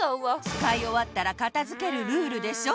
つかいおわったらかたづけるルールでしょ！